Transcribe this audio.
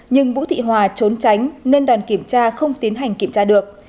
nhưng vũ thị hòa trốn tránh nên đoàn kiểm tra không tiến hành kiểm tra được